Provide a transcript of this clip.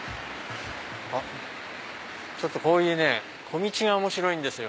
あっこういうね小道が面白いんですよ